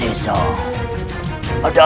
keponakan kuraden surrawisinsa